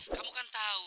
kamu kan tau